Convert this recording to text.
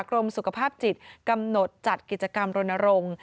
กรมสุขภาพจิตกำหนดจัดกิจกรรมรณรงค์